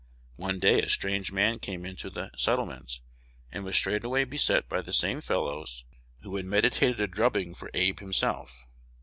One day a strange man came into the settlement, and was straightway beset by the same fellows who had meditated a drubbing for Abe himself.